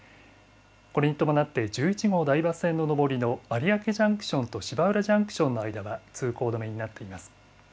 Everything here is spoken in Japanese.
これに伴って、１１号台場線の上りの有明ジャンクションと芝浦ジャンクションの間は通行止めになっています。